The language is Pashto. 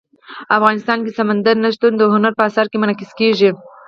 افغانستان کې سمندر نه شتون د هنر په اثار کې منعکس کېږي.